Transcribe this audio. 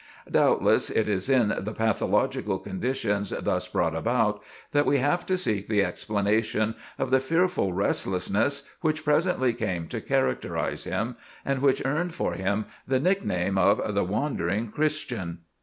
Doubtless, it is in the pathological conditions thus brought about, that we have to seek the explanation of the fearful restlessness which presently came to characterize him, and which earned for him the nickname of the Wandering Christian.